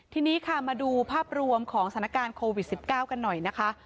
ทีนี้ค่ะมาดูภาพรวมของสถานการณ์โควิด๑๙กันหน่อยนะคะ